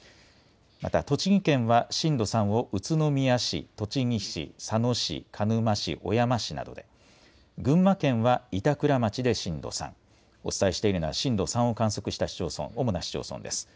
また栃木県は震度３を宇都宮市、栃木市、佐野市、鹿沼市、小山市などで、群馬県は板倉町で震度３、お伝えしているのは震度３を観測した市町村、主な市町村です。